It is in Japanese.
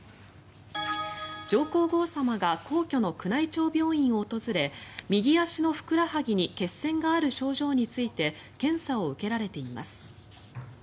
上皇后さまが皇居の宮内庁病院を訪れ右足のふくらはぎに血栓がある症状について検査を受けられています。